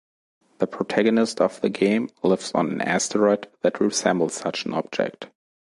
The protagonist of the game lives on an asteroid that resembles such an object.